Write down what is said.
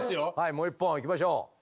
もう一本いきましょう。